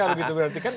begitu berarti kan